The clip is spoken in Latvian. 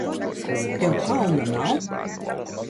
Tev kauna nav?